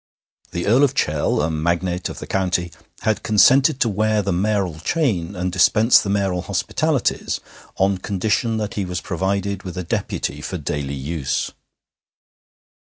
The Earl of Chell, a magnate of the county, had consented to wear the mayoral chain and dispense the mayoral hospitalities on condition that he was provided with a deputy for daily use.